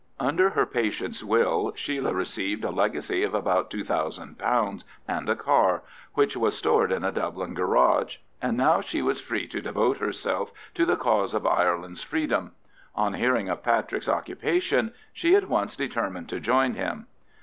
Under her patient's will Sheila received a legacy of about £2000 and a car, which was stored in a Dublin garage, and now she was free to devote herself to the cause of Ireland's freedom. On hearing of Patrick's occupation, she at once determined to join him.